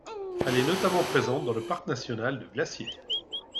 Elle est notamment présente dans le Parc national de Glacier.